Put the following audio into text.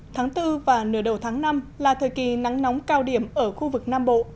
tháng bốn và nửa đầu tháng năm là thời kỳ nắng nóng cao điểm ở khu vực nam bộ